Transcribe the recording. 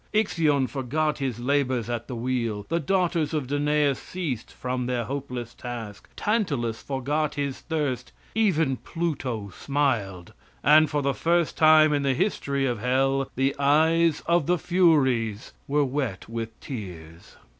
Ixion forgot his labors at the wheel, the daughters of Danaus ceased from their hopeless task, Tantalus forgot his thirst, even Pluto smiled, and, for the first time in the history of hell, the eyes of the Furies were wet with tears.